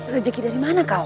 rezeki dari mana kau